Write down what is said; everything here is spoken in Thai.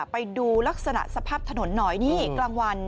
ไปดูลักษณะสภาพถนนหน่อยนี่กลางวัน